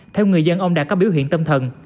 theo người dân ông đã có biểu hiện tâm thần